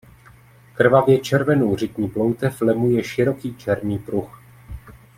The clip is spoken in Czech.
Krvavě červenou řitní ploutev lemuje široký černý pruh.